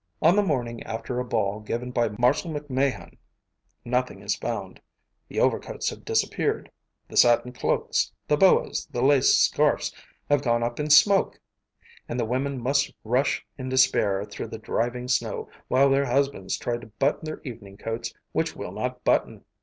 On the morning after a ball given by Marshal MacMahon nothing is found: the overcoats have disappeared; the satin cloaks, the boas, the lace scarfs have gone up in smoke; and the women must rush in despair through the driving snow while their husbands try to button their evening coats, which will not button!